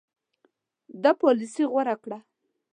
ده پالیسي غوره کړه.